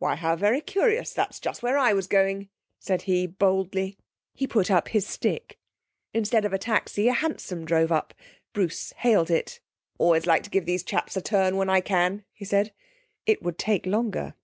'Why how very curious! That's just where I was going,' said he boldly. He put up his stick. Instead of a taxi a hansom drove up. Bruce hailed it. 'Always like to give these chaps a turn when I can,' he said. It would take longer.